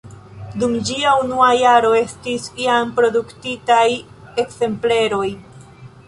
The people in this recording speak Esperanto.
Dum ĝia unua jaro estis jam produktitaj ekzempleroj.